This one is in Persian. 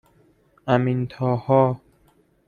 امینطاها